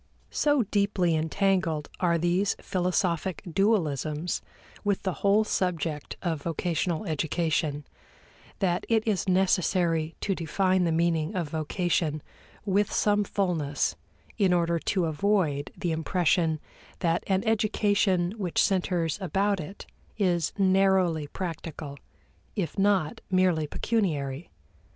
So deeply entangled are these philosophic dualisms with the whole subject of vocational education, that it is necessary to define the meaning of vocation with some fullness in order to avoid the impression that an education which centers about it is narrowly practical, if not merely pecuniary.